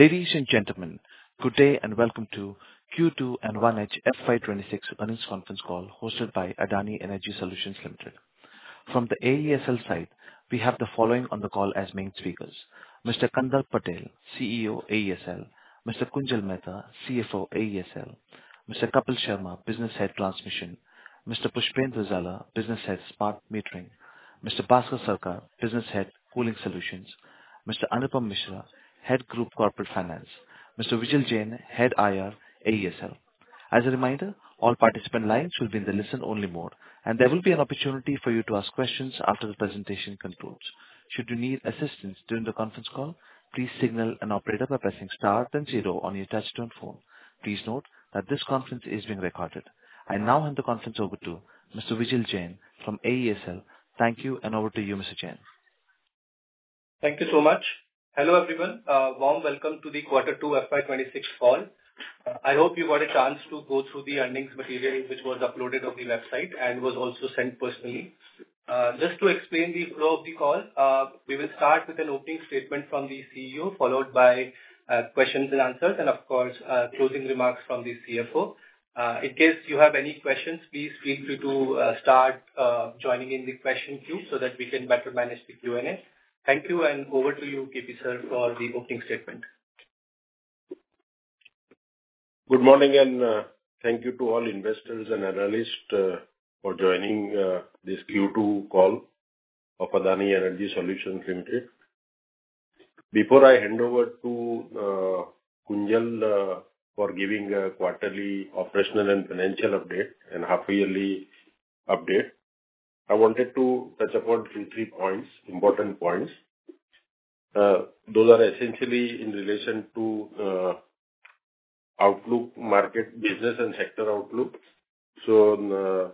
Ladies and gentlemen, good day and welcome to Q2 & 1H FY26 Earnings Conference Call hosted by Adani Energy Solutions Limited. From the AESL side, we have the following on the call as main speakers: Mr. Kandarp Patel, CEO, AESL; Mr. Kunjal Mehta, CFO, AESL; Mr. Kapil Sharma, Business Head, Transmission; Mr. Pushpendra Bansal, Business Head, Smart Metering; Mr. Bhaskar Sarkar, Business Head, Cooling Solutions; Mr. Anupam Misra, Head Group Corporate Finance; Mr. Vijil Jain, Head IR, AESL. As a reminder, all participant lines will be in the listen-only mode, and there will be an opportunity for you to ask questions after the presentation concludes. Should you need assistance during the conference call, please signal an operator by pressing star then zero on your touch-tone phone. Please note that this conference is being recorded. I now hand the conference over to Mr. Vijil Jain from AESL. Thank you, and over to you, Mr. Jain. Thank you so much. Hello everyone, warm welcome to the Q2 FY26 call. I hope you got a chance to go through the earnings material which was uploaded on the website and was also sent personally. Just to explain the flow of the call, we will start with an opening statement from the CEO, followed by questions and answers, and of course, closing remarks from the CFO. In case you have any questions, please feel free to start joining in the question queue so that we can better manage the Q&A. Thank you, and over to you, KP sir, for the opening statement. Good morning and thank you to all investors and analysts for joining this Q2 call of Adani Energy Solutions Limited. Before I hand over to Kunjal for giving a quarterly operational and financial update and half-yearly update, I wanted to touch upon two or three important points. Those are essentially in relation to outlook, market, business, and sector outlook. So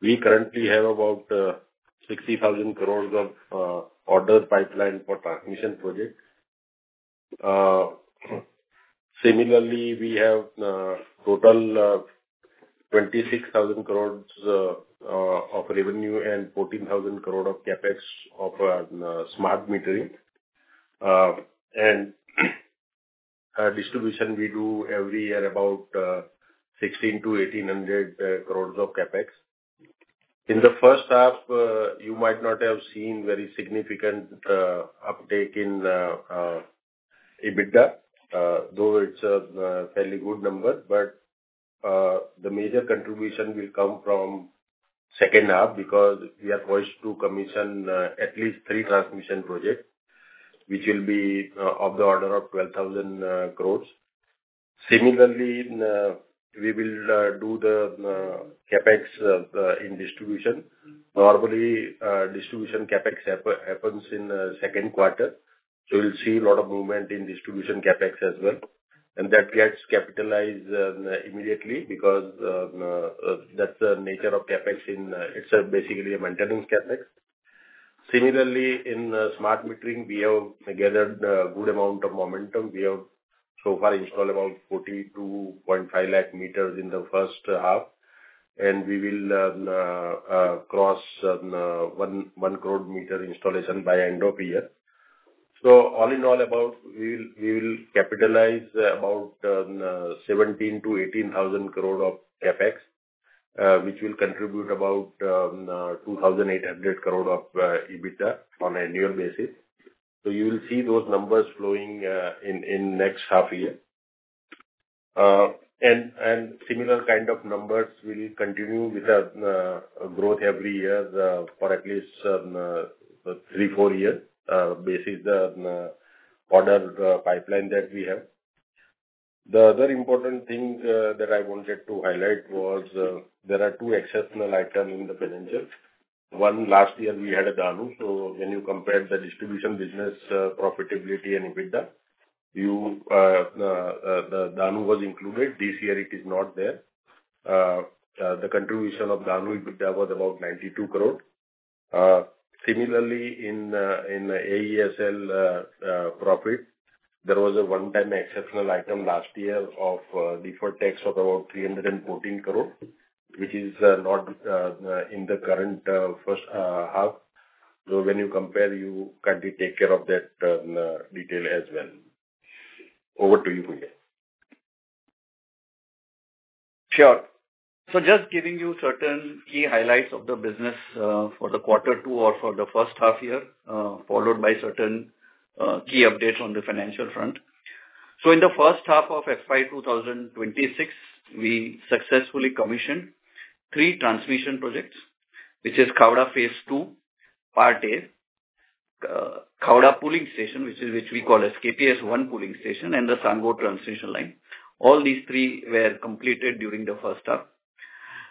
we currently have about 60,000 crore of order pipeline for transmission projects. Similarly, we have total 26,000 crore of revenue and 14,000 crore of CapEx of smart metering. And distribution we do every year about 16,000 to 18,000 crore of CapEx. In the first half, you might not have seen very significant uptake in EBITDA, though it's a fairly good number. but the major contribution will come from the second half because we are poised to commission at least three transmission projects, which will be of the order of 12,000 crore. Similarly, we will do the CapEx in distribution. Normally, distribution CapEx happens in the Q2, so we'll see a lot of movement in distribution CapEx as well. and that gets capitalized immediately because that's the nature of CapEx in itself, basically a maintenance CapEx. Similarly, in smart metering, we have gathered a good amount of momentum. We have so far installed about 42.5 lakh meters in the first half, and we will cross one crore meter installation by end of year. so all in all, we will capitalize about 17,000-18,000 crore of CapEx, which will contribute about 2,800 crore of EBITDA on an annual basis. so you will see those numbers flowing in the next half year. And similar kind of numbers will continue with growth every year for at least three, four years, basing on the order pipeline that we have. The other important thing that I wanted to highlight was there are two exceptional items in the financials. One, last year we had Dahanu, so when you compared the distribution business profitability and EBITDA, Dahanu was included. This year it is not there. The contribution of Dahanu EBITDA was about 92 crore. Similarly, in AESL profit, there was a one-time exceptional item last year of deferred tax of about 314 crore, which is not in the current first half. So when you compare, you can take care of that detail as well. Over to you, Kunjal. Sure. So just giving you certain key highlights of the business for the Q2 or for the first half year, followed by certain key updates on the financial front. So in the first half of FY26, we successfully commissioned three transmission projects, which are Khavda Phase II Part A, Khavda Pooling Station, which we call as KPS-1 Pooling Station, and the Sangod Transmission Line. All these three were completed during the first half.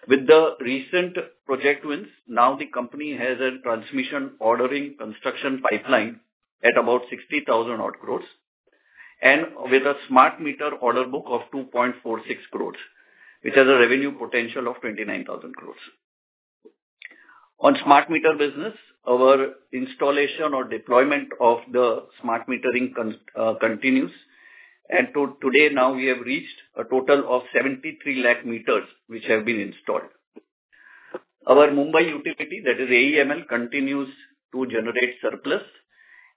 With the recent project wins, now the company has a transmission ordering construction pipeline at about 60,000 crore and with a smart meter order book of 2.46 crore, which has a revenue potential of 29,000 crore. On smart meter business, our installation or deployment of the smart metering continues. And to today, now we have reached a total of 73 lakh meters which have been installed. Our Mumbai Utility, that is AEML, continues to generate surplus.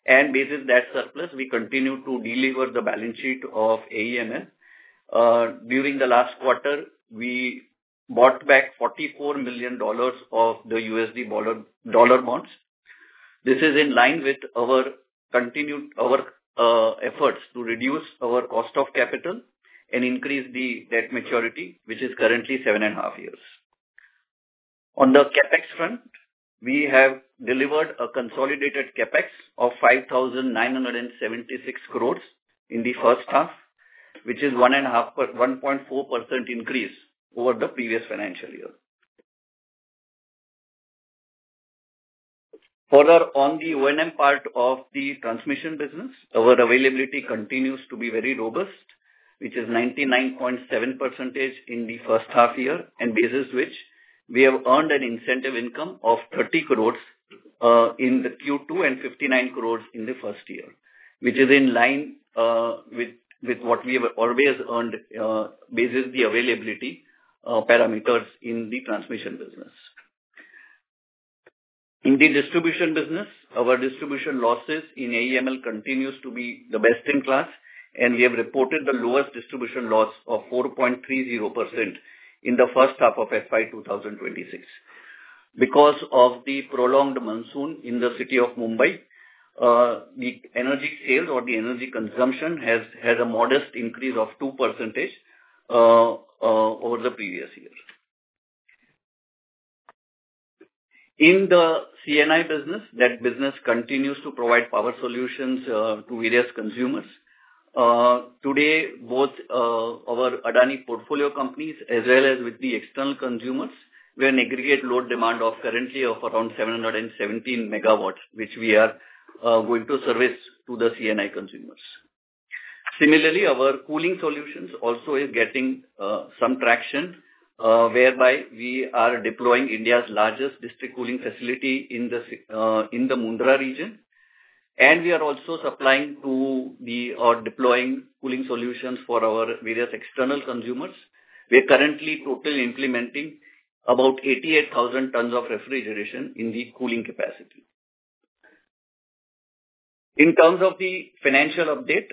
Based on that surplus, we continue to deliver the balance sheet of AEML. During the last quarter, we bought back $44 million of the USD dollar bonds. This is in line with our efforts to reduce our cost of capital and increase the debt maturity, which is currently 7.5 years. On the CapEx front, we have delivered a consolidated CapEx of 5,976 crore in the first half, which is a 1.4% increase over the previous financial year. Further, on the O&M part of the transmission business, our availability continues to be very robust, which is 99.7% in the first half year, and basis which we have earned an incentive income of 30 crore in Q2 and 59 crore in the first year, which is in line with what we have always earned based on the availability parameters in the transmission business. In the distribution business, our distribution losses in AEML continue to be the best in class, and we have reported the lowest distribution loss of 4.30% in the first half of FY26. Because of the prolonged monsoon in the city of Mumbai, the energy sales or the energy consumption has a modest increase of 2% over the previous year. In the C&I business, that business continues to provide power solutions to various consumers. Today, both our Adani portfolio companies as well as with the external consumers were an aggregate load demand of currently around 717 MW, which we are going to service to the C&I consumers. Similarly, our cooling solutions also are getting some traction, whereby we are deploying India's largest district cooling facility in the Mundra region, and we are also supplying to the or deploying cooling solutions for our various external consumers. We are currently totally implementing about 88,000 tons of refrigeration in the cooling capacity. In terms of the financial update,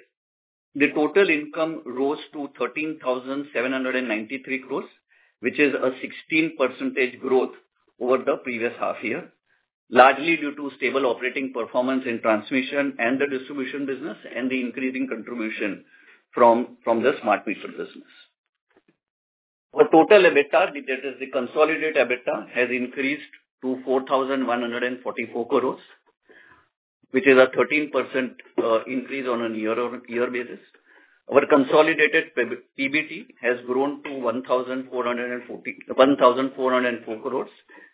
the total income rose to 13,793 crore, which is a 16% growth over the previous half year, largely due to stable operating performance in transmission and the distribution business and the increasing contribution from the smart meter business. Our total EBITDA, that is the consolidated EBITDA, has increased to 4,144 crore, which is a 13% increase on a year-on-year basis. Our consolidated PBT has grown to 1,404 crore,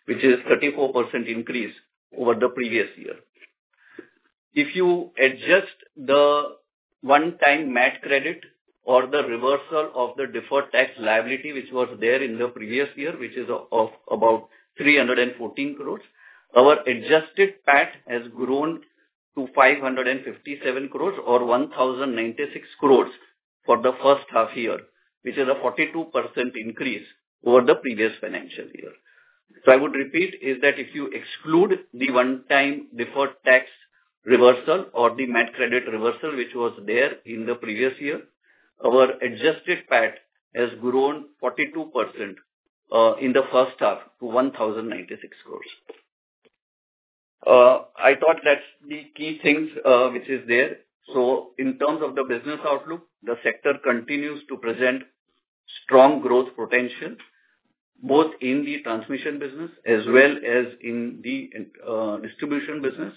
which is a 34% increase over the previous year. If you adjust the one-time MAT credit or the reversal of the deferred tax liability, which was there in the previous year, which is about 314 crore, our adjusted PAT has grown to 557 crore or 1,096 crore for the first half year, which is a 42% increase over the previous financial year. So I would repeat is that if you exclude the one-time deferred tax reversal or the MAT credit reversal, which was there in the previous year, our adjusted PAT has grown 42% in the first half to 1,096 crore. I thought that's the key things which are there. So in terms of the business outlook, the sector continues to present strong growth potential both in the transmission business as well as in the distribution business,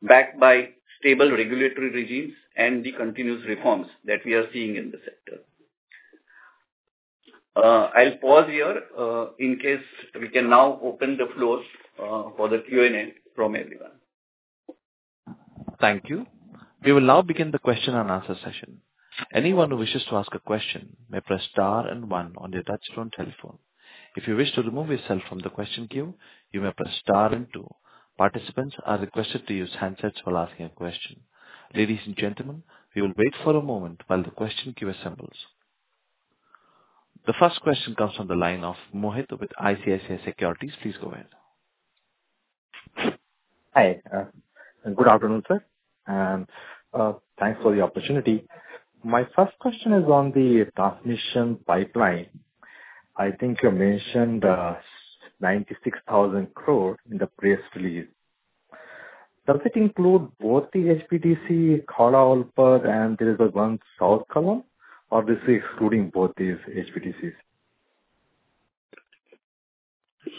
backed by stable regulatory regimes and the continuous reforms that we are seeing in the sector. I'll pause here in case we can now open the floor for the Q&A from everyone. Thank you. We will now begin the question and answer session. Anyone who wishes to ask a question may press star and one on the touch-tone telephone. If you wish to remove yourself from the question queue, you may press star and two. Participants are requested to use handsets while asking a question. Ladies and gentlemen, we will wait for a moment while the question queue assembles. The first question comes from the line of Mohit with ICICI Securities. Please go ahead. Hi. Good afternoon, sir, and thanks for the opportunity. My first question is on the transmission pipeline. I think you mentioned 96,000 crore in the press release. Does it include both the HVDC, Khavda-Olpad, and there is one South Kalamb, or is it excluding both these HVDCs?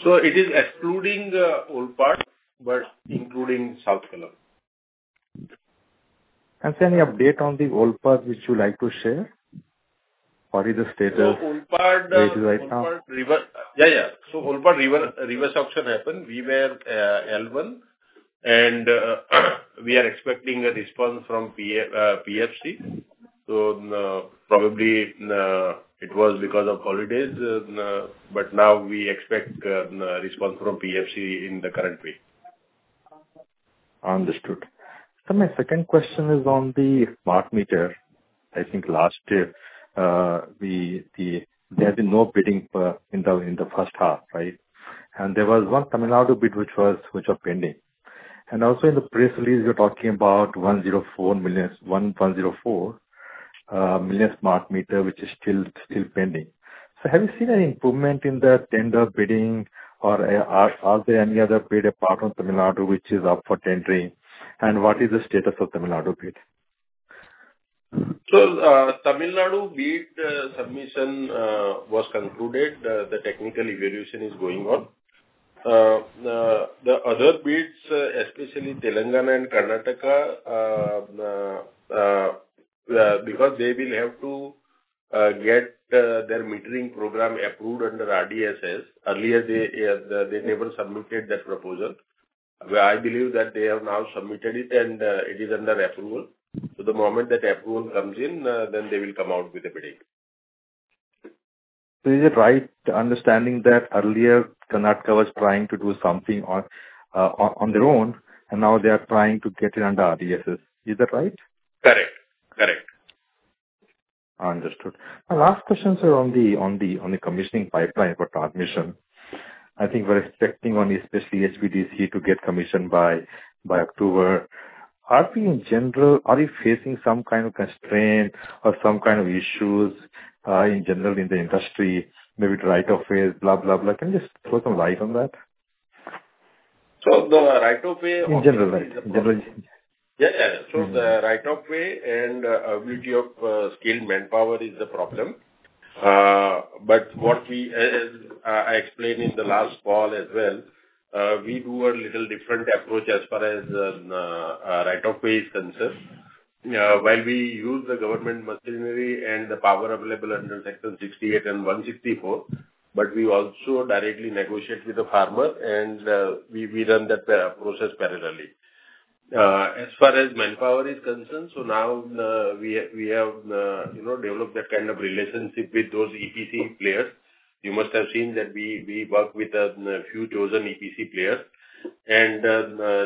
So it is excluding Olpad, but including South Kalamb. And so, any update on the Olpad which you like to share or either status? So Olpad. Yeah, yeah. So Olpad reverse auction happened. We were L1, and we are expecting a response from PFC. So probably it was because of holidays, but now we expect a response from PFC in the current week. Understood. So my second question is on the smart meter. I think last year there had been no bidding in the first half, right? And there was one Tamil Nadu bid which was pending. And also in the press release, you're talking about 104 million smart meter, which is still pending. So have you seen any improvement in the tender bidding, or are there any other bid apart from Tamil Nadu which is up for tendering? And what is the status of Tamil Nadu bid? So Tamil Nadu bid submission was concluded. The technical evaluation is going on. The other bids, especially Telangana and Karnataka, because they will have to get their metering program approved under RDSS. Earlier, they never submitted that proposal. I believe that they have now submitted it, and it is under approval. So the moment that approval comes in, then they will come out with a bidding. So is it right understanding that earlier Karnataka was trying to do something on their own, and now they are trying to get it under RDSS? Is that right? Correct. Correct. Understood. My last question, sir, on the commissioning pipeline for transmission. I think we're expecting on especially HVDC to get commissioned by October. Are you facing some kind of constraint or some kind of issues in general in the industry, maybe the right-of-way, blah, blah, blah? Can you just throw some light on that? So, the right-of-way or. In general, right? Yeah, yeah, so the right-of-way and ability of skilled manpower is the problem, but what I explained in the last call as well, we do a little different approach as far as right-of-way is concerned. While we use the government machinery and the power available under Section 68 and 164, but we also directly negotiate with the farmer, and we run that process parallelly. As far as manpower is concerned, so now we have developed that kind of relationship with those EPC players. You must have seen that we work with a few chosen EPC players, and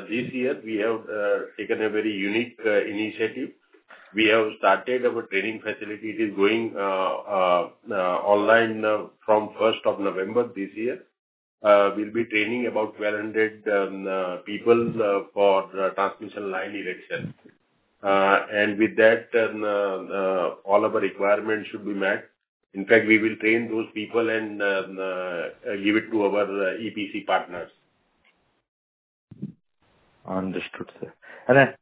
this year, we have taken a very unique initiative. We have started our training facility. It is going online from 1 November 2025 this year. We'll be training about 1,200 people for transmission line erection, and with that, all our requirements should be met. In fact, we will train those people and give it to our EPC partners. Understood, sir.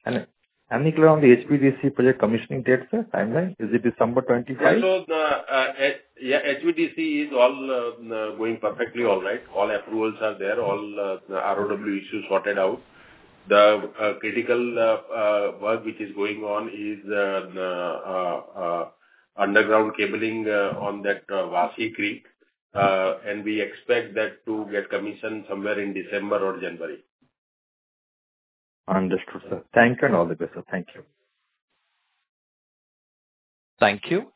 And particularly on the HVDC project commissioning date, sir, timeline, is it 25 December 2025? So yeah, HVDC is all going perfectly all right. All approvals are there. All ROW issues sorted out. The critical work which is going on is underground cabling on that Vashi Creek, and we expect that to get commissioned somewhere in December or January. Understood, sir. Thank you and all the best, sir. Thank you. Thank you.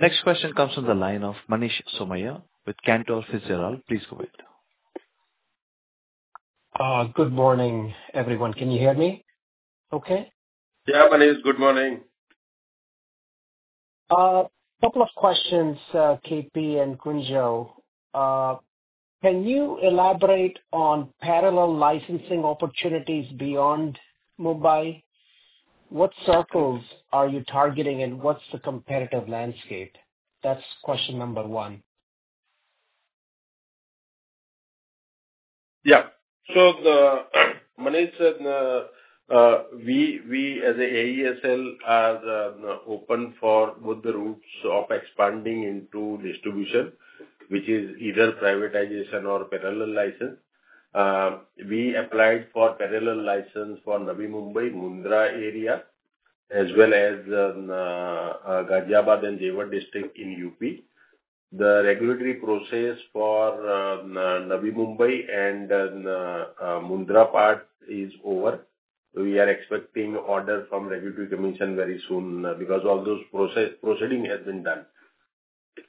Next question comes from the line of Manish Somaiya with Cantor Fitzgerald. Please go ahead. Good morning, everyone. Can you hear me okay? Yeah, my name is. Good morning. A couple of questions, KP and Kunjal. Can you elaborate on parallel licensing opportunities beyond Mumbai? What circles are you targeting, and what's the competitive landscape? That's question number one. Yeah. So Manish, we as an AESL are open for both the routes of expanding into distribution, which is either privatization or parallel license. We applied for parallel license for Navi Mumbai, Mundra area, as well as Ghaziabad and Jewar district in UP. The regulatory process for Navi Mumbai and Mundra part is over. We are expecting orders from the regulatory commission very soon because all those proceedings have been done.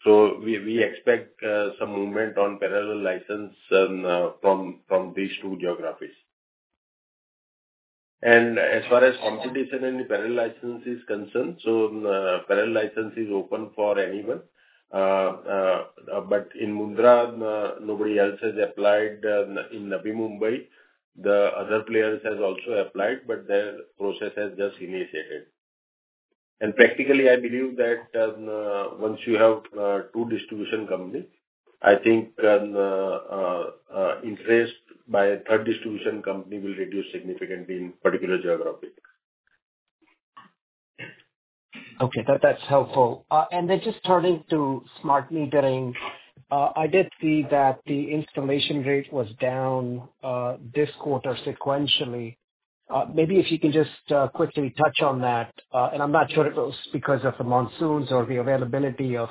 So we expect some movement on parallel license from these two geographies. And as far as competition and parallel license is concerned, so parallel license is open for anyone. But in Mundra, nobody else has applied. In Navi Mumbai, the other players have also applied, but their process has just initiated. And practically, I believe that once you have two distribution companies, I think interest by a third distribution company will reduce significantly in particular geography. Okay. That's helpful. And then just turning to smart metering, I did see that the installation rate was down this quarter sequentially. Maybe if you can just quickly touch on that. And I'm not sure if it was because of the monsoons or the availability of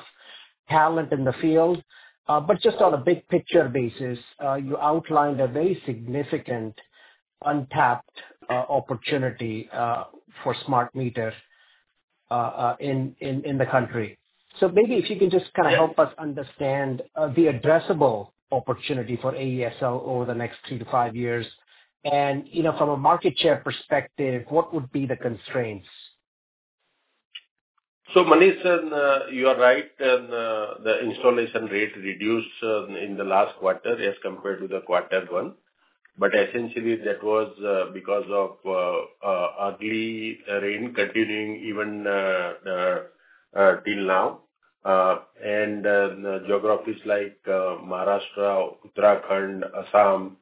talent in the field. But just on a big picture basis, you outlined a very significant untapped opportunity for smart meter in the country. So maybe if you can just kind of help us understand the addressable opportunity for AESL over the next three to five years. And from a market share perspective, what would be the constraints? So Manish, you are right. The installation rate reduced in the last quarter as compared to the Q1. But essentially, that was because of ugly rain continuing even till now. And geographies like Maharashtra, Uttarakhand, Assam,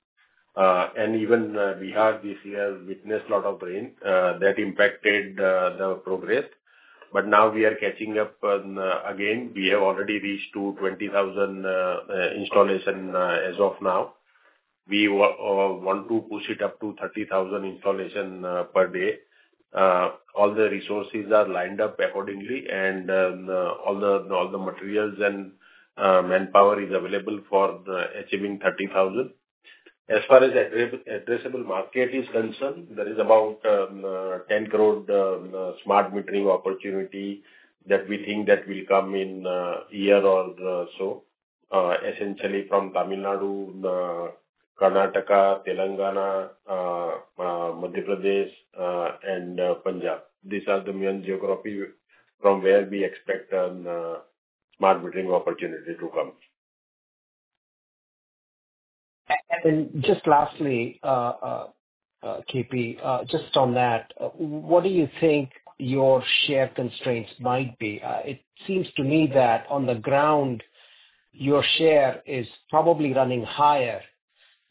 and even Bihar this year witnessed a lot of rain. That impacted the progress. But now we are catching up again. We have already reached to 20,000 installation as of now. We want to push it up to 30,000 installation per day. All the resources are lined up accordingly, and all the materials and manpower are available for achieving 30,000. As far as addressable market is concerned, there is about 10 crore smart metering opportunity that we think that will come in a year or so, essentially from Tamil Nadu, Karnataka, Telangana, Madhya Pradesh, and Punjab. These are the main geographies from where we expect smart metering opportunity to come. And just lastly, KP, just on that, what do you think your share constraints might be? It seems to me that on the ground, your share is probably running higher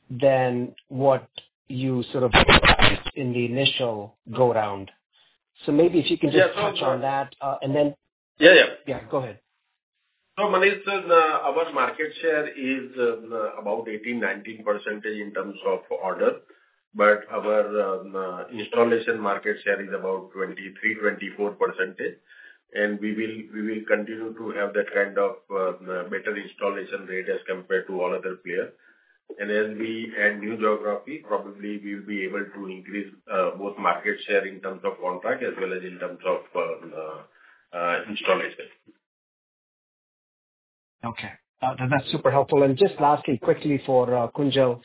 than what you sort of realized in the initial go-round. So maybe if you can just touch on that, and then. Yeah, yeah. Yeah, go ahead. So Manish, our market share is about 18%-19% in terms of order. But our installation market share is about 23-24%. And we will continue to have that kind of better installation rate as compared to all other players. And as we add new geography, probably we will be able to increase both market share in terms of contract as well as in terms of installation. Okay. That's super helpful. And just lastly, quickly for Kunjal,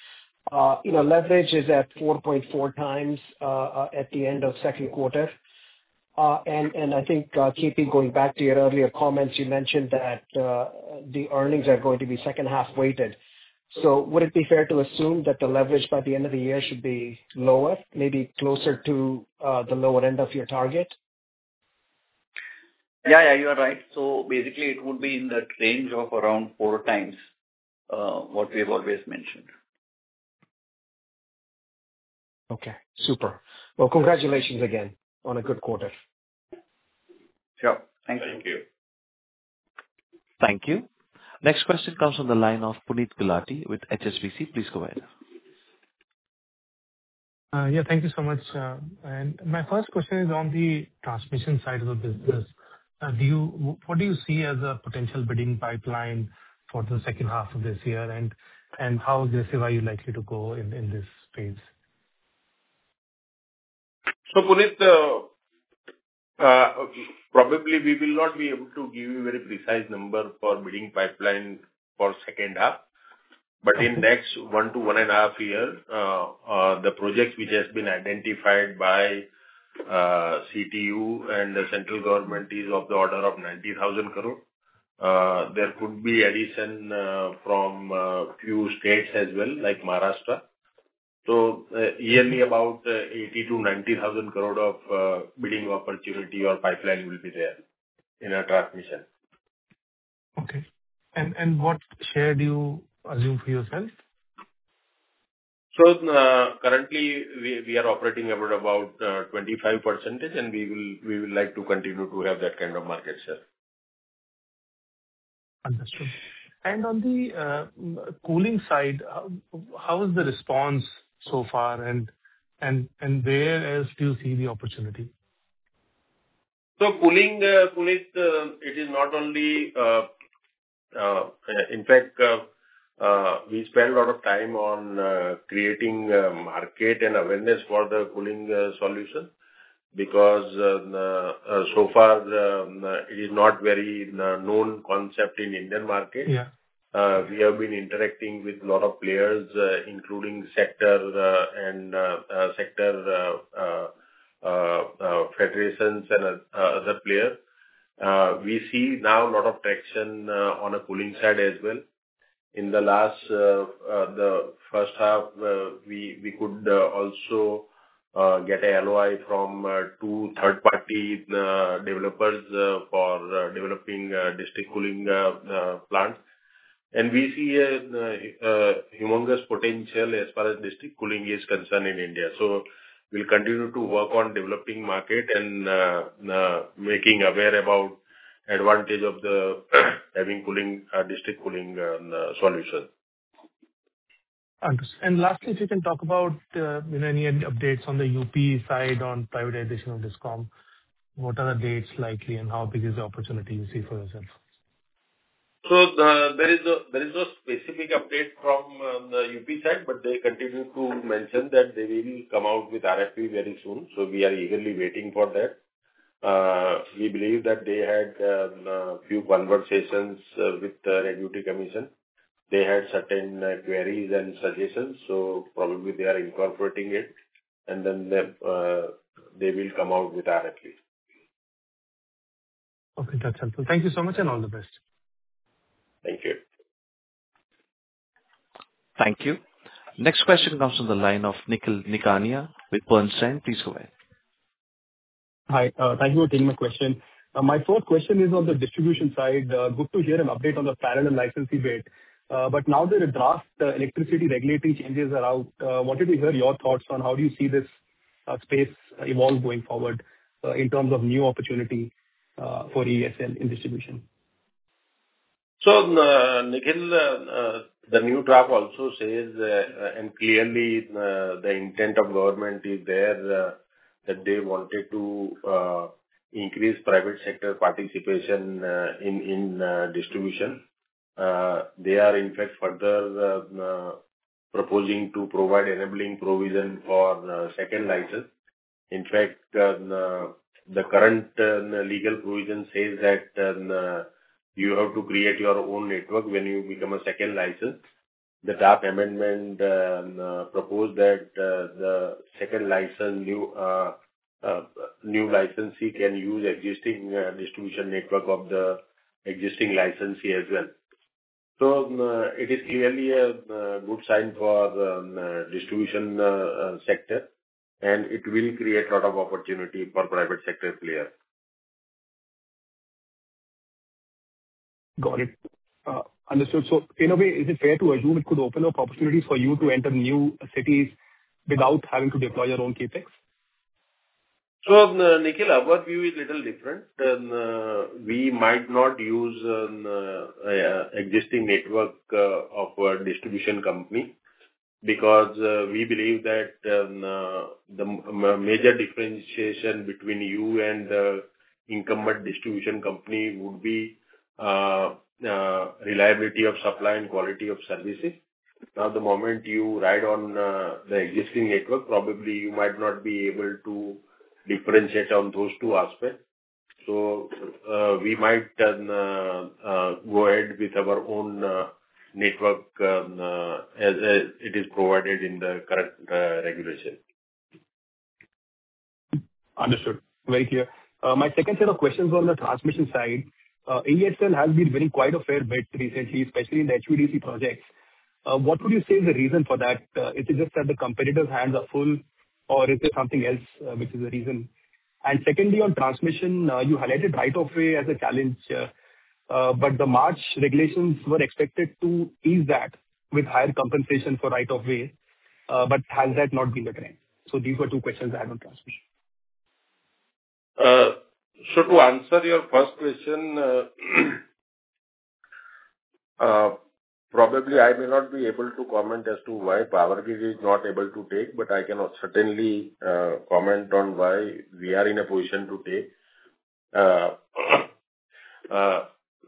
leverage is at 4.4x at the end of Q2. And I think, KP, going back to your earlier comments, you mentioned that the earnings are going to be second-half weighted. So would it be fair to assume that the leverage by the end of the year should be lower, maybe closer to the lower end of your target? Yeah, yeah. You are right, so basically, it would be in that range of around four times what we have always mentioned. Okay. Super. Well, congratulations again on a good quarter. Yeah. Thank you. Thank you. Next question comes from the line of Puneet Gulati with HSBC. Please go ahead. Yeah. Thank you so much, and my first question is on the transmission side of the business. What do you see as a potential bidding pipeline for the second half of this year, and how aggressive are you likely to go in this phase? So, Puneet, probably we will not be able to give you a very precise number for bidding pipeline for second half. But in the next one to one and a half years, the projects which have been identified by CTU and the central government are of the order of 90,000 crore. There could be addition from a few states as well, like Maharashtra. So yearly, about 80-90 thousand crore of bidding opportunity or pipeline will be there in transmission. Okay. And what share do you assume for yourself? Currently, we are operating about 25%, and we will like to continue to have that kind of market share. Understood. And on the cooling side, how is the response so far, and where else do you see the opportunity? So, cooling, Puneet, it is not only. In fact, we spend a lot of time on creating market and awareness for the cooling solution because so far, it is not a very known concept in the Indian market. We have been interacting with a lot of players, including sector federations and other players. We see now a lot of traction on the cooling side as well. In the first half, we could also get an LOI from two third-party developers for developing district cooling plants. And we see a humongous potential as far as district cooling is concerned in India. So we'll continue to work on developing the market and making aware about the advantage of having district cooling solutions. Understood. And lastly, if you can talk about any updates on the UP side on privatization of DISCOM, what are the dates likely, and how big is the opportunity you see for yourself? So there is no specific update from the UP side, but they continue to mention that they will come out with RFP very soon. So we are eagerly waiting for that. We believe that they had a few conversations with the regulatory commission. They had certain queries and suggestions. So probably they are incorporating it, and then they will come out with RFP. Okay. That's helpful. Thank you so much, and all the best. Thank you. Thank you. Next question comes from the line of Nikhil Nigania with Bernstein. Please go ahead. Hi. Thank you for taking my question. My first question is on the distribution side. Good to hear an update on the parallel license area. But now there are draft electricity regulatory changes around. I wanted to hear your thoughts on how do you see this space evolve going forward in terms of new opportunity for AESL in distribution? So, Nikhil, the new draft also says, and clearly, the intent of government is there that they wanted to increase private sector participation in distribution. They are, in fact, further proposing to provide enabling provision for second licensee. In fact, the current legal provision says that you have to create your own network when you become a second licensee. The draft amendment proposed that the second licensee can use the existing distribution network of the existing licensee as well. So it is clearly a good sign for the distribution sector, and it will create a lot of opportunity for private sector players. Got it. Understood. So in a way, is it fair to assume it could open up opportunities for you to enter new cities without having to deploy your own CapEx? So Nikhil, our view is a little different. We might not use an existing network of a distribution company because we believe that the major differentiation between you and the incumbent distribution company would be reliability of supply and quality of services. Now, the moment you ride on the existing network, probably you might not be able to differentiate on those two aspects. So we might go ahead with our own network as it is provided in the current regulation. Understood. Very clear. My second set of questions on the transmission side. AESL has been winning quite a fair bit recently, especially in the HVDC projects. What would you say is the reason for that? Is it just that the competitors' hands are full, or is there something else which is the reason? And secondly, on transmission, you highlighted right-of-way as a challenge. But the March regulations were expected to ease that with higher compensation for right-of-way. But has that not been the trend? So these were two questions I had on transmission. So to answer your first question, probably I may not be able to comment as to why Power Grid is not able to take, but I can certainly comment on why we are in a position to take.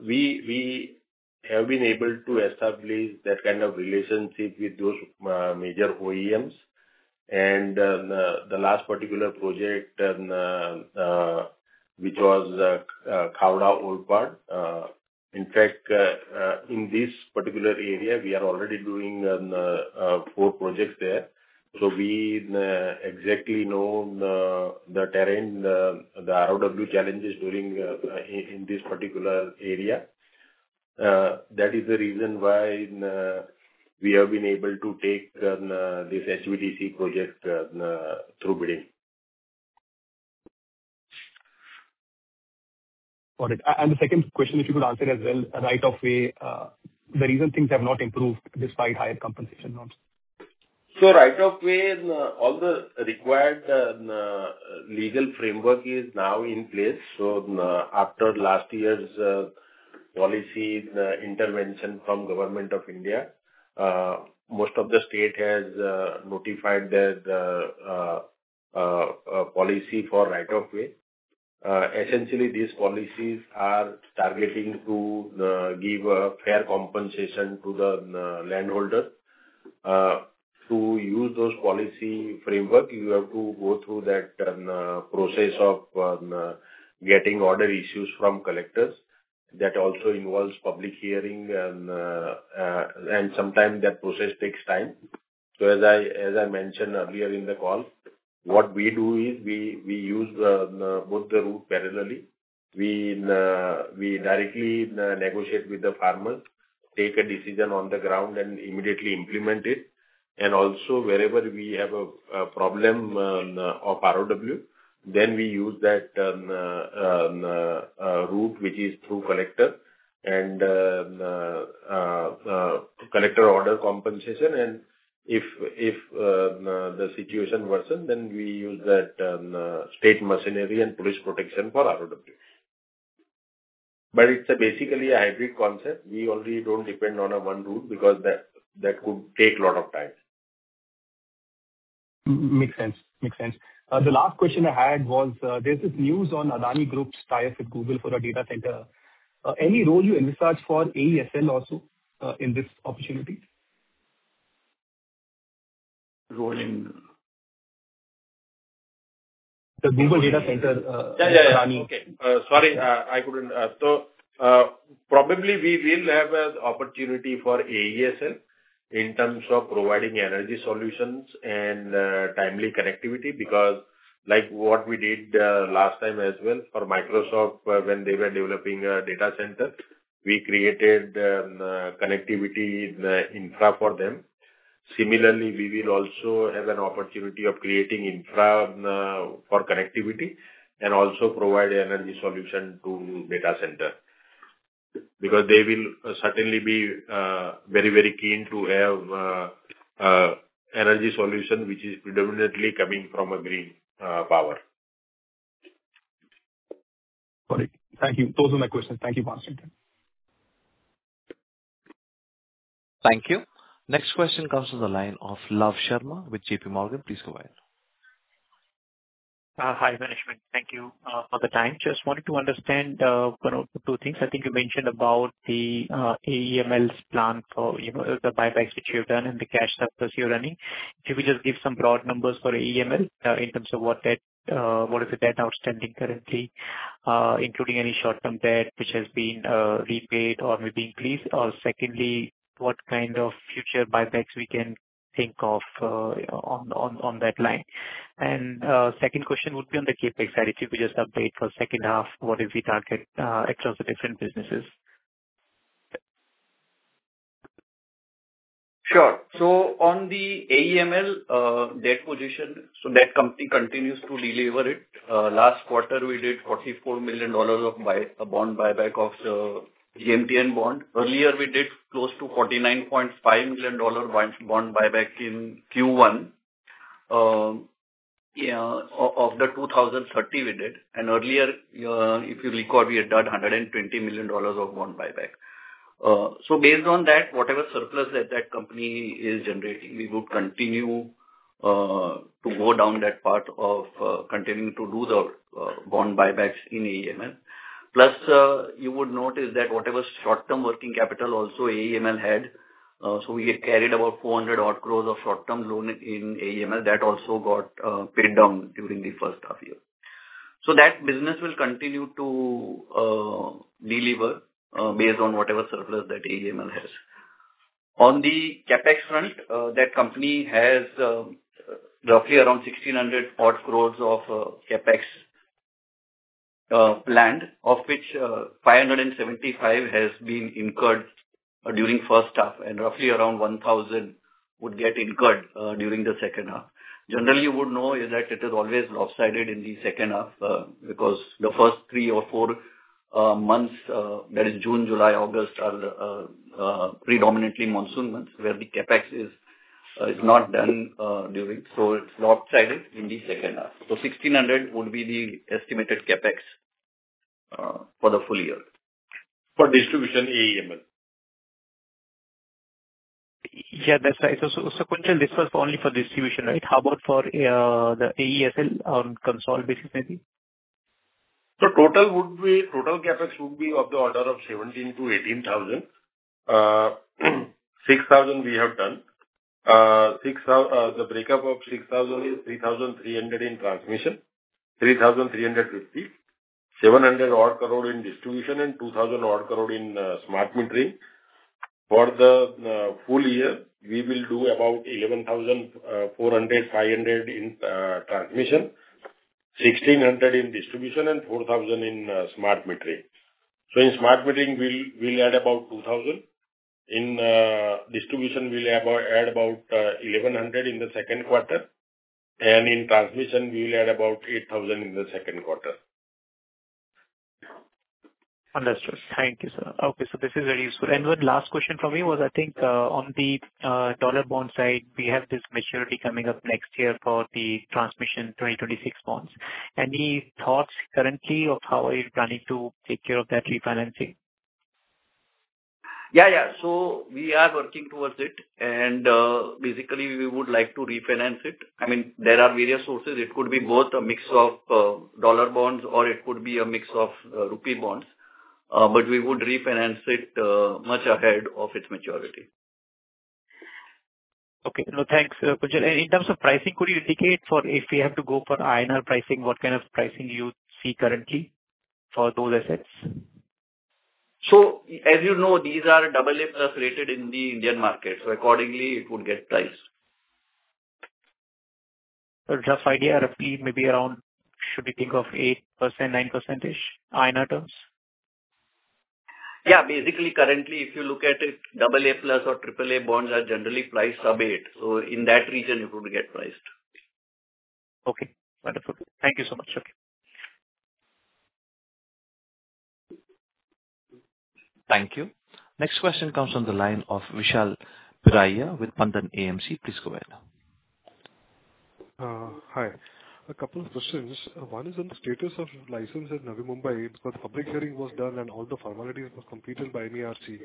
We have been able to establish that kind of relationship with those major OEMs. And the last particular project, which was Khavda-Olpad, in fact, in this particular area, we are already doing four projects there. So we exactly know the terrain, the ROW challenges in this particular area. That is the reason why we have been able to take this HVDC project through bidding. Got it. And the second question, if you could answer it as well, right-of-way, the reason things have not improved despite higher compensation notes? So right-of-way, all the required legal framework is now in place. So after last year's policy intervention from the Government of India, most of the states have notified their policy for right-of-way. Essentially, these policies are targeting to give fair compensation to the landholders. To use those policy framework, you have to go through that process of getting orders issued from collectors. That also involves public hearing, and sometimes that process takes time. So as I mentioned earlier in the call, what we do is we use both routes parallelly. We directly negotiate with the farmers, take a decision on the ground, and immediately implement it. And also, wherever we have a problem of ROW, then we use that route, which is through the collector and collector order compensation. And if the situation worsens, then we use that state machinery and police protection for ROW.But it's basically a hybrid concept. We already don't depend on a one route because that could take a lot of time. Makes sense. Makes sense. The last question I had was, there's this news on Adani Group's tie-up with Google for a data center. Any role you in research for AESL also in this opportunity? Role in? The Google data center, Adani. Yeah, yeah. Okay. Sorry, I couldn't. So probably we will have an opportunity for AESL in terms of providing energy solutions and timely connectivity because, like what we did last time as well for Microsoft when they were developing a data center, we created connectivity infra for them. Similarly, we will also have an opportunity of creating infra for connectivity and also provide energy solution to data center because they will certainly be very, very keen to have energy solution which is predominantly coming from a green power. Got it. Thank you. Those are my questions. Thank you for answering them. Thank you. Next question comes from the line of Love Sharma with JP Morgan. Please go ahead. Hi, Management. Thank you for the time. Just wanted to understand two things. I think you mentioned about the AEML's plan for the buybacks which you have done and the cash cycles you're running. Could you just give some broad numbers for AEML in terms of what is the debt outstanding currently, including any short-term debt which has been repaid or maybe increased? Or secondly, what kind of future buybacks we can think of on that line? And second question would be on the CapEx side. If you could just update for second half, what is the target across the different businesses? Sure. So on the AEML debt position, so that company continues to deliver it. Last quarter, we did $44 million of bond buyback of GMTN bonds. Earlier, we did close to $49.5 million bond buyback in Q1 of the 2030 we did. And earlier, if you recall, we had done $120 million of bond buyback. So based on that, whatever surplus that company is generating, we would continue to go down that path of continuing to do the bond buybacks in AEML. Plus, you would notice that whatever short-term working capital also AEML had, so we had carried about 400-odd crore of short-term loan in AEML, that also got paid down during the first half year. So that business will continue to deliver based on whatever surplus that AEML has. On the CapEx front, that company has roughly around 1,600 odd crore of CapEx planned, of which 575 has been incurred during the first half, and roughly around 1,000 would get incurred during the second half. Generally, you would know that it is always lopsided in the second half because the first three or four months, that is June, July, August, are predominantly monsoon months where the CapEx is not done during. So it's lopsided in the second half. So 1,600 would be the estimated CapEx for the full year for distribution AEML. Yeah, that's right. So Pushpendra, this was only for distribution, right? How about for the AESL on consolidation maybe? So total CapEx would be of the order of 17,000 to 18,000. 6,000 we have done. The breakup of 6,000 is 3,300 in transmission, 3,350, 700 odd crore in distribution, and 2,000 odd crore in smart metering. For the full year, we will do about 11,400, 500 in transmission, 1,600 in distribution, and 4,000 in smart metering. So in smart metering, we'll add about 2,000. In distribution, we'll add about 1,100 in the Q2. And in transmission, we'll add about 8,000 in the Q2. Understood. Thank you, sir. Okay. So this is very useful. And one last question for me was, I think on the dollar bond side, we have this maturity coming up next year for the transmission 2026 bonds. Any thoughts currently of how are you planning to take care of that refinancing? Yeah, yeah. So we are working towards it. And basically, we would like to refinance it. I mean, there are various sources. It could be both a mix of dollar bonds, or it could be a mix of rupee bonds. But we would refinance it much ahead of its maturity. Okay. No, thanks, Kunjal. And in terms of pricing, could you indicate if we have to go for INR pricing, what kind of pricing you see currently for those assets? So as you know, these are AA+ rated in the Indian market. So accordingly, it would get priced. A rough idea, roughly maybe around should we think of 8%-9%-ish INR terms? Yeah. Basically, currently, if you look at it, AA+ or AAA bonds are generally priced sub 8%. So in that region, it would get priced. Okay. Wonderful. Thank you so much. Okay. Thank you. Next question comes from the line of Vishal Periwal with Bandhan AMC. Please go ahead. Hi. A couple of questions. One is on the status of license in Navi Mumbai because public hearing was done and all the formalities were completed by MERC.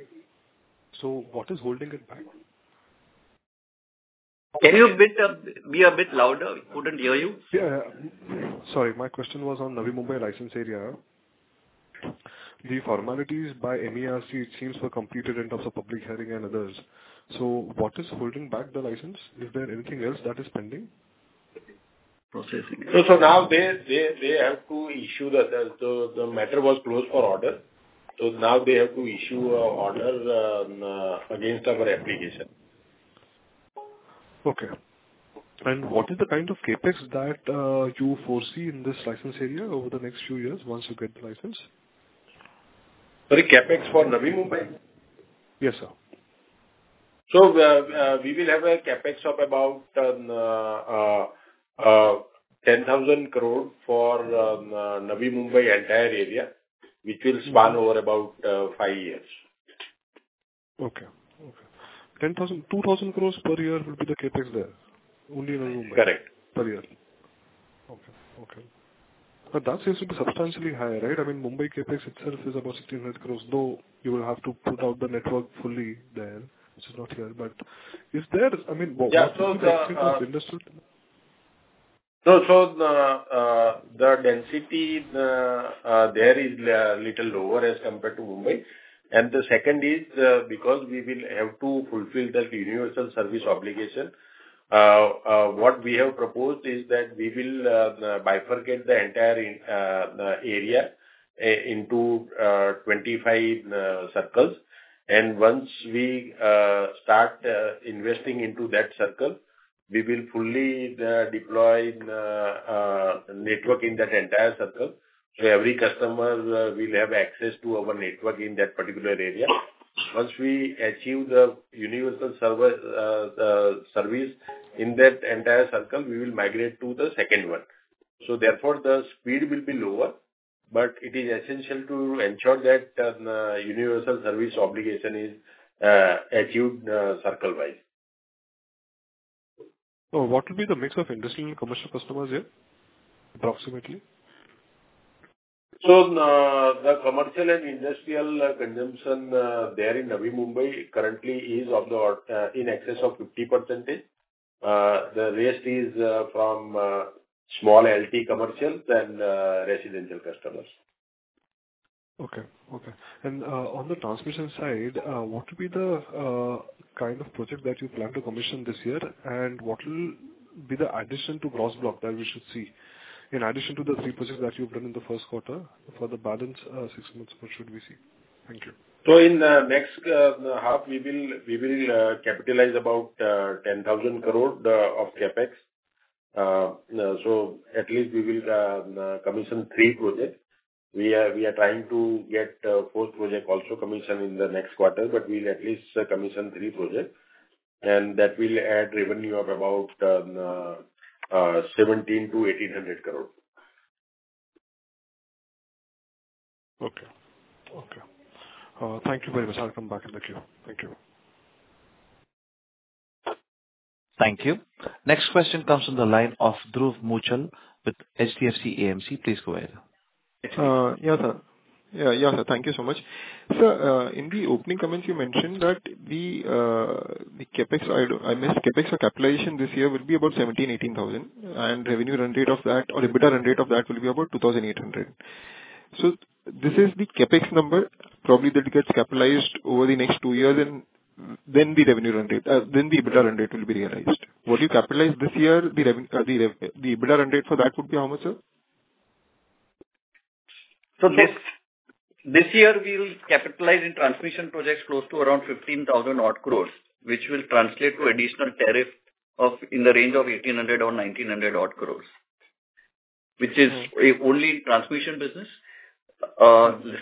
So what is holding it back? Can you be a bit louder? We couldn't hear you. Yeah, yeah. Sorry. My question was on Navi Mumbai license area. The formalities by MERC, it seems, were completed in terms of public hearing and others. So what is holding back the license? Is there anything else that is pending? Processing. So now they have to issue the matter was closed for order. So now they have to issue an order against our application. Okay. And what is the kind of CapEx that you foresee in this license area over the next few years once you get the license? Sorry, CapEx for Navi Mumbai? Yes, sir. So we will have a CapEx of about 10,000 crore for Navi Mumbai entire area, which will span over about five years. Okay. 2,000 crore per year will be the CapEx there, only in Navi Mumbai? Correct. Per year. Okay. But that seems to be substantially higher, right? I mean, Mumbai CapEx itself is about 1,600 crore, though you will have to put out the network fully there, which is not here. But is there? I mean, what's the expectation of the industry? So the density there is a little lower as compared to Mumbai. And the second is because we will have to fulfill that universal service obligation. What we have proposed is that we will bifurcate the entire area into 25 circles. And once we start investing into that circle, we will fully deploy network in that entire circle. So every customer will have access to our network in that particular area. Once we achieve the universal service in that entire circle, we will migrate to the second one. So therefore, the speed will be lower. But it is essential to ensure that universal service obligation is achieved circle-wise. So what will be the mix of industry and commercial customers here, approximately? So the commercial and industrial consumption there in Navi Mumbai currently is in excess of 50%. The rest is from small LT commercials and residential customers. Okay. Okay, and on the transmission side, what will be the kind of project that you plan to commission this year, and what will be the addition to gross block that we should see in addition to the three projects that you've done in the Q1 for the balance six months? What should we see? Thank you. In the next half, we will capitalize about 10,000 crore of CapEx, so at least we will commission three projects. We are trying to get fourth project also commissioned in the next quarter, but we'll at least commission three projects, and that will add revenue of about 1,700-1,800 crore. Okay. Okay. Thank you very much. I'll come back and look here. Thank you. Thank you. Next question comes from the line of Dhruv Muchhal with HDFC AMC. Please go ahead. Yeah, sir. Yeah, yeah, sir. Thank you so much. Sir, in the opening comments, you mentioned that the CapEx, I missed, CapEx or capitalization this year will be about 17,000-18,000 and revenue run rate of that, or EBITDA run rate of that, will be about 2,800, so this is the CapEx number, probably that gets capitalized over the next two years, and then the revenue run rate, then the EBITDA run rate will be realized. What do you capitalize this year? The EBITDA run rate for that would be how much, sir? So this year, we'll capitalize in transmission projects close to around 15,000-odd crore, which will translate to additional tariff in the range of 1,800 or 1,900-odd crore, which is only in transmission business.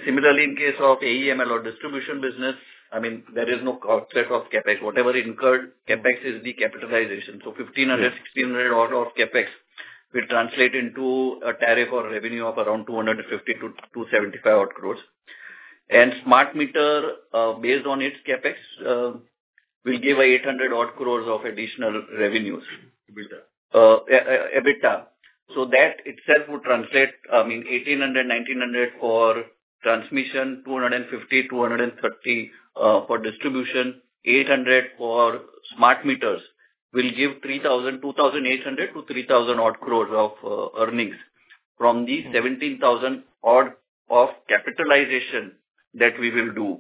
Similarly, in case of AEML or distribution business, I mean, there is no offset of CapEx. Whatever incurred, CapEx is the capitalization. So 1,500-1,600-odd of CapEx will translate into a tariff or revenue of around 250-275-odd crore. And smart meter, based on its CapEx, will give 800-odd crore of additional revenues, EBITDA. So that itself would translate, I mean, 1,800-1,900 for transmission, 250-230 for distribution, 800 for smart meters will give 2,800-3,000-odd crore of earnings from the 17,000-odd of capitalization that we will do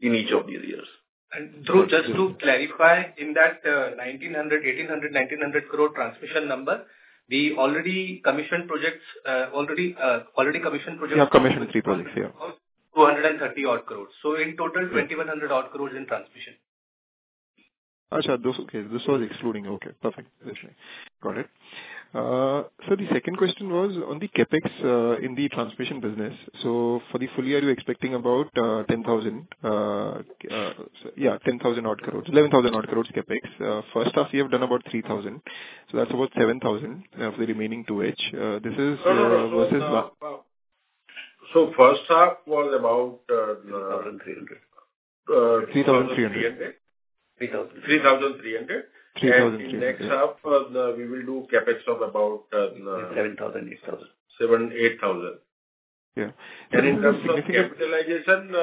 in each of these years. And just to clarify, in that 1,800-1,900 crore transmission number, the already commissioned projects? You have commissioned three projects, yeah. 230 odd crore, so in total, 2,100 odd crore in transmission. Okay. This was excluding. Okay. Perfect. Got it. So the second question was on the CapEx in the transmission business. So for the full year, you're expecting about 10,000, yeah, 10,000-odd crore, 11,000-odd crore CapEx. First half, you have done about 3,000. So that's about 7,000 for the remaining 2H. This is versus what? So first half was about. 3,300. 3,300? 3,300. 3,300. 3,300. Next half, we will do CapEx of about. 7,000, 8,000. 7, 8,000. Yeah. And in terms of capitalization,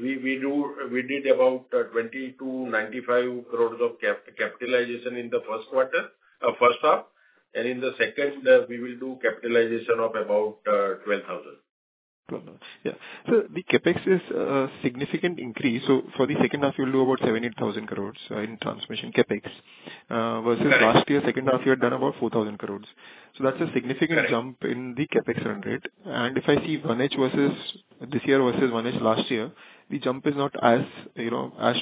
we did about 2,295 crore of capitalization in the first half. And in the second, we will do capitalization of about 12,000. 12,000. Yeah. So the CapEx is a significant increase. So for the second half, you'll do about 7,000-8,000 crore in transmission CapEx versus last year, second half, you had done about 4,000 crore. So that's a significant jump in the CapEx run rate, and if I see 1H versus this year versus 1H last year, the jump is not as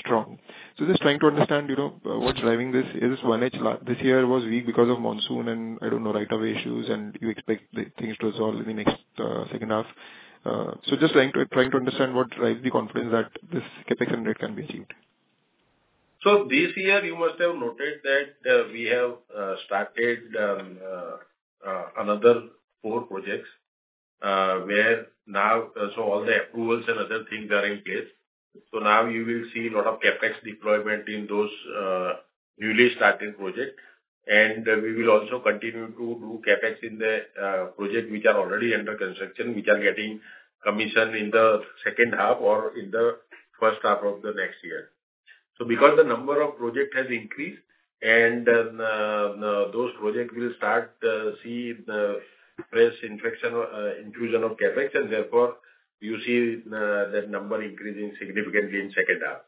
strong. So just trying to understand what's driving this is 1H last this year was weak because of monsoon and I don't know, right-of-way issues, and you expect things to resolve in the next second half. So just trying to understand what drives the confidence that this CapEx run rate can be achieved. So this year, you must have noted that we have started another four projects where now so all the approvals and other things are in place. So now you will see a lot of CapEx deployment in those newly started projects. And we will also continue to do CapEx in the projects which are already under construction, which are getting commissioned in the second half or in the first half of the next year. So because the number of projects has increased, and those projects will start to see less infusion of CapEx, and therefore, you see that number increasing significantly in the second half.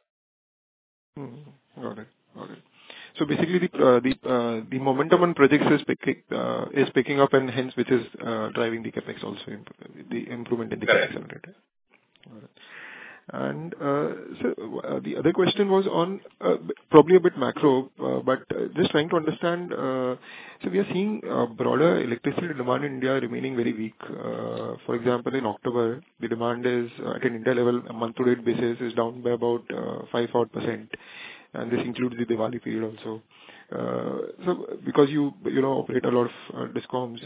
Got it. Got it. So basically, the momentum on projects is picking up, and hence, which is driving the CapEx also, the improvement in the CapEx. Correct. Got it. And so the other question was on probably a bit macro, but just trying to understand. So we are seeing broader electricity demand in India remaining very weak. For example, in October, the demand is at an India level, a month-to-date basis, is down by about 5-8%. And this includes the Diwali period also. So because you operate a lot of DISCOMs,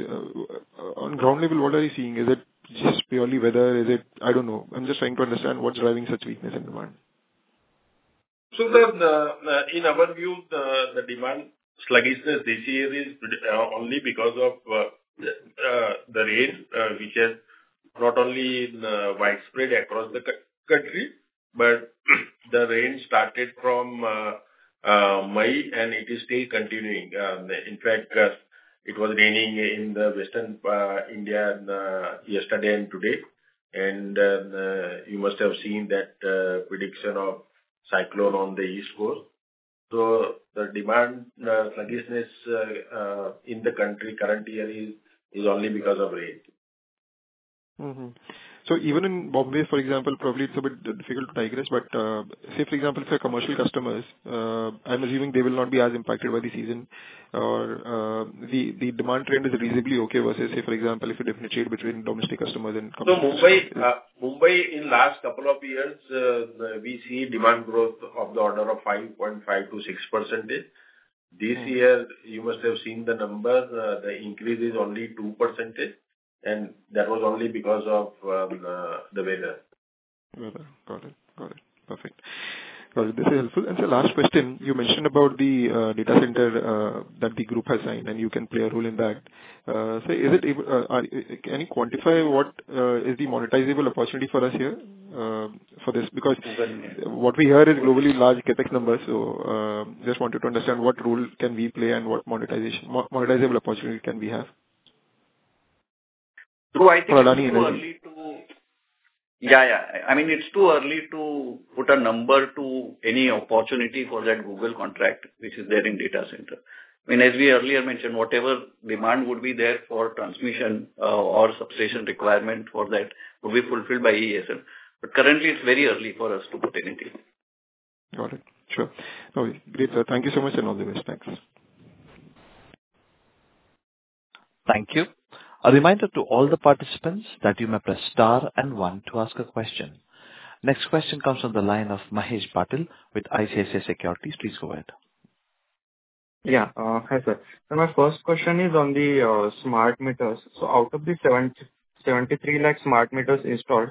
on ground level, what are you seeing? Is it just purely weather? Is it? I don't know. I'm just trying to understand what's driving such weakness in demand. So in our view, the demand sluggishness this year is only because of the rain, which has not only widespread across the country, but the rain started from May, and it is still continuing. In fact, it was raining in the western India yesterday and today, and you must have seen that prediction of cyclone on the east coast, so the demand sluggishness in the country current year is only because of rain. So even in Mumbai, for example, probably it's a bit difficult to disaggregate. But say, for example, if your commercial customers, I'm assuming they will not be as impacted by the season, or the demand trend is reasonably okay versus, say, for example, if you differentiate between domestic customers and. So, Mumbai, in the last couple of years, we see demand growth of the order of 5.5% to 6%. This year, you must have seen the number. The increase is only 2%. And that was only because of the weather. Weather. Got it. Got it. Perfect. Got it. This is helpful. And so last question, you mentioned about the data center that the group has signed, and you can play a role in that. So can you quantify what is the monetizable opportunity for us here for this? Because what we hear is globally large CapEx numbers. So just wanted to understand what role can we play and what monetizable opportunity can we have for Adani Energy? Yeah, yeah. I mean, it's too early to put a number to any opportunity for that Google contract, which is there in data center. I mean, as we earlier mentioned, whatever demand would be there for transmission or substation requirement for that would be fulfilled by AESL. But currently, it's very early for us to put anything. Got it. Sure. Okay. Great, sir. Thank you so much in all the respects. Thank you. A reminder to all the participants that you may press star and one to ask a question. Next question comes from the line of Mahesh Patil with ICICI Securities. Please go ahead. Yeah. Hi, sir. So my first question is on the smart meters. So out of the 73 lakh smart meters installed,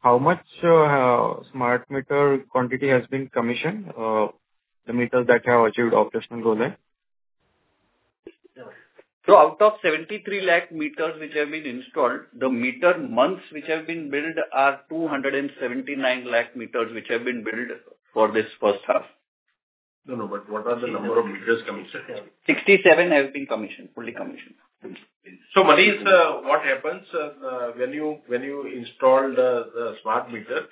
how much smart meter quantity has been commissioned, the meters that have achieved operational goal? So, out of 73 lakh meters which have been installed, the meter months which have been built are 279 lakh meters which have been built for this first half. No, no. But what are the number of meters commissioned? 67 have been commissioned, fully commissioned. So Manish, sir, what happens when you install the smart meter,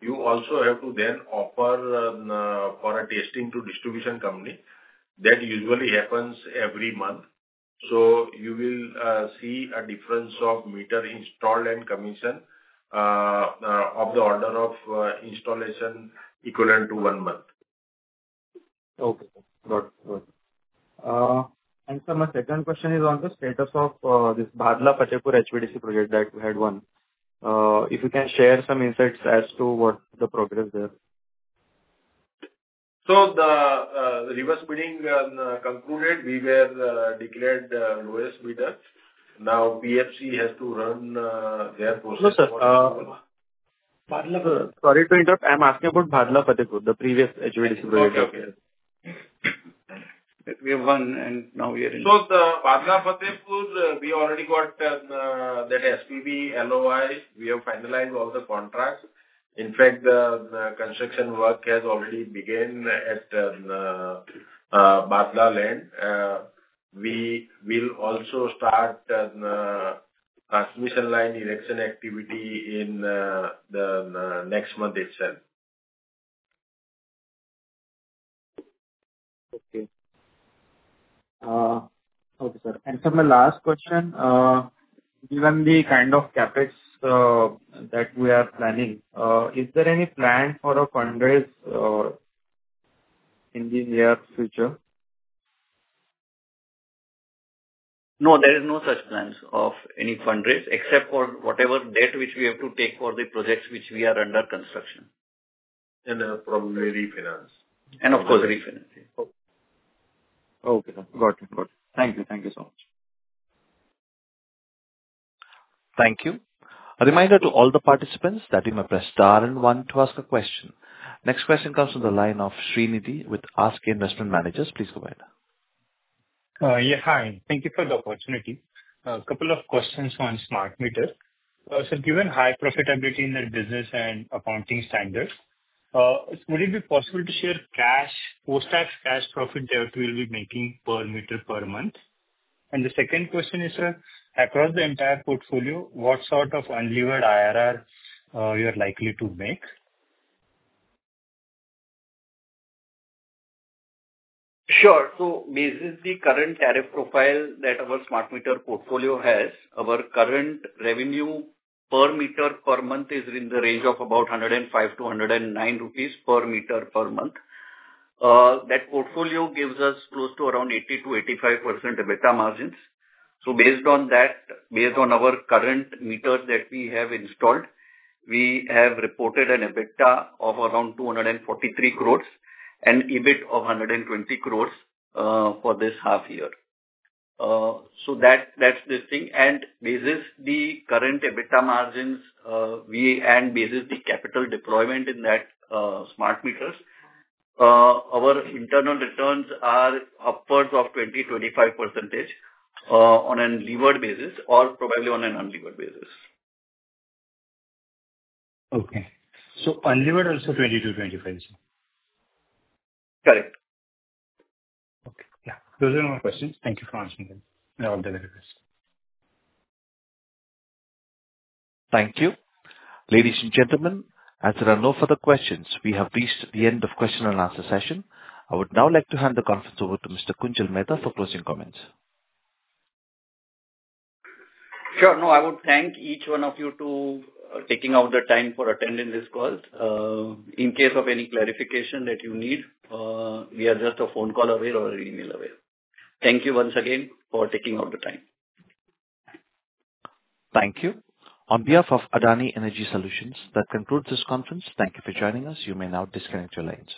you also have to then offer for a testing to distribution company. That usually happens every month. So you will see a difference of meter installed and commissioned of the order of installation equivalent to one month. Okay. Got it. Got it. And sir, my second question is on the status of this Bhadla-Fatehpur HVDC project that we had won. If you can share some insights as to what the progress there. So the reverse bidding concluded. We were declared lowest bidder. Now PFC has to run their process. No, sir. Bhadla-Fatehpur. Sorry to interrupt. I'm asking about Bhadla-Fatehpur, the previous HVDC project. Okay. We have won, and now we are in. So Bhadla-Fatehpur, we already got that SPV LOI. We have finalized all the contracts. In fact, the construction work has already begun at Bhadla land. We will also start transmission line erection activity in the next month itself. Okay. Okay, sir, and sir, my last question, given the kind of CapEx that we are planning, is there any plan for a fundraise in the near future? No, there is no such plan of any fundraise except for whatever debt which we have to take for the projects which we are under construction. And probably refinance. And of course, refinance. Okay. Got it. Got it. Thank you. Thank you so much. Thank you. A reminder to all the participants that you may press star and one to ask a question. Next question comes from the line of Srinidhi with ASK Investment Managers. Please go ahead. Yeah. Hi. Thank you for the opportunity. A couple of questions on smart meters. So given high profitability in their business and accounting standards, would it be possible to share post-tax cash profit that we'll be making per meter per month? And the second question is, sir, across the entire portfolio, what sort of unlevered IRR you are likely to make? Sure. So basically, the current tariff profile that our smart meter portfolio has, our current revenue per meter per month is in the range of about 105 to 109 per meter per month. That portfolio gives us close to around 80% to 85% EBITDA margins. So based on that, based on our current meters that we have installed, we have reported an EBITDA of around 243 crore and EBIT of 120 crore for this half year. So that's the thing. And basically, the current EBITDA margins and basically, the capital deployment in that smart meters, our internal returns are upwards of 20%-25% on an unlevered basis or probably on an unlevered basis. Okay. So unlevered also 22%-25%? Correct. Okay. Yeah. Those are all my questions. Thank you for answering them in all the ways. Thank you. Ladies and gentlemen, as there are no further questions, we have reached the end of the question and answer session. I would now like to hand the conference over to Mr. Kunjal Mehta for closing comments. Sure. No, I would thank each one of you for taking out the time for attending this call. In case of any clarification that you need, we are just a phone call away or an email away. Thank you once again for taking out the time. Thank you. On behalf of Adani Energy Solutions, that concludes this conference. Thank you for joining us. You may now disconnect your lines.